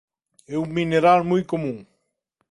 É un mineral moi común.